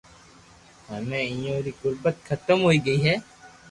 ھمي اپو ري غربت حتم ھوئي گئي ھي